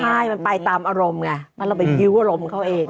ใช่มันไปตามอารมณ์ไงเพราะเราไปคิ้วอารมณ์เขาเอง